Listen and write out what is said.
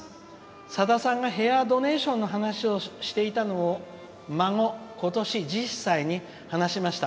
さださんがヘアードネーションの話をしていたのを孫、ことし１０歳に話しました。